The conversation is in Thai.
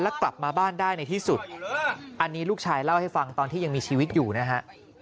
แล้วกลับมาบ้านได้ในที่สุดอันนี้ลูกชายเล่าให้ฟังตอนที่ยังมีชีวิตอยู่นะฮะ